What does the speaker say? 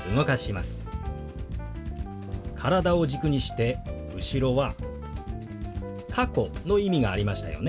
体を軸にして後ろは「過去」の意味がありましたよね。